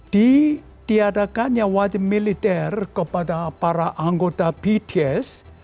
ditiadakannya wajib militer kepada para anggota bts